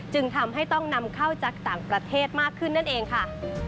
จึงทำให้ต้องนำเข้าจากต่างประเทศมากขึ้นนั่นเองค่ะ